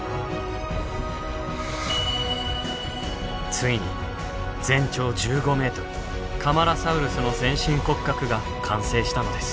ついに全長１５メートルカマラサウルスの全身骨格が完成したのです。